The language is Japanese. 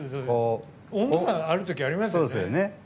温度差がある時ありますよね。